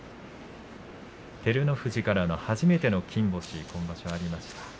照ノ富士からの初めての金星をことし挙げました。